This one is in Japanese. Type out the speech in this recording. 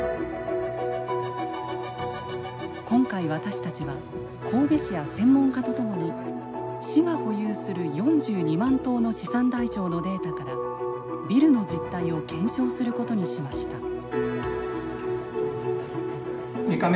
今回、私たちは神戸市や専門家とともに市が保有する４２万棟の資産台帳のデータからビルの実態を検証することにしました。